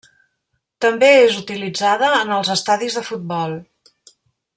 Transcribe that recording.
També és utilitzada en els estadis de futbol.